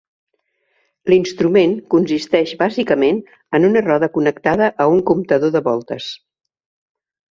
L'instrument consisteix bàsicament en una roda connectada a un comptador de voltes.